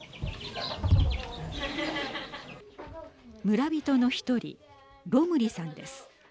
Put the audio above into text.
村人の１人ロムリさんです。